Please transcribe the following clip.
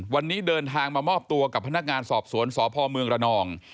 วันนี้เดินทางมามอบตัวกับพนักงานสอบสวนสพเมืองระนอง